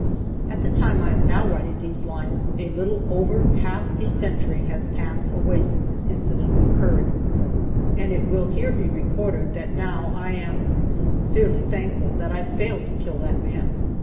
At the time I am now writing these lines, a little over half a century has passed away since this incident occurred, and it will here be recorded that now I am sincerely thankful that I failed to kill that man.